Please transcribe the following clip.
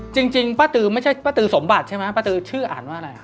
จริงป้าตือไม่ใช่ป้าตือสมบัติใช่ไหมป้าตือชื่ออ่านว่าอะไร